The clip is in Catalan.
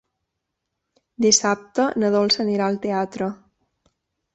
Dissabte na Dolça anirà al teatre.